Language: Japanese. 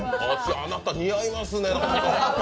あなた似合いますね。